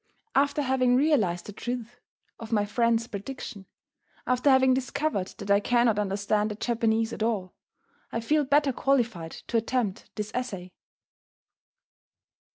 After having realized the truth of my friend's prediction, after having discovered that I cannot understand the Japanese at all, I feel better qualified to attempt this essay.